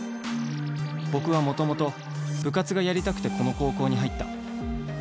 「僕はもともと部活がやりたくてこの高校に入った。